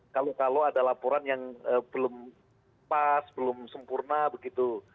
kalau ada laporan yang belum pas belum sempurna begitu